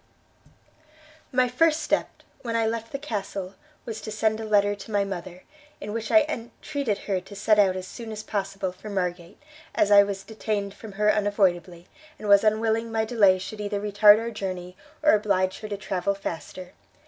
"My first step, when I left the Castle, was to send a letter to my mother, in which I entreated her to set out as soon as possible for Margate, as I was detained from her unavoidably, and was unwilling my delay should either retard our journey, or oblige her to travel faster.